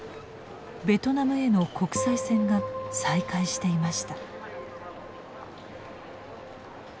ベトナムへの国際線が再開していました。